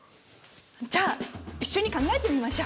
じゃあ一緒に考えてみましょう！